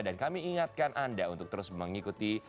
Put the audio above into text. dan kami ingatkan anda untuk terus mengikuti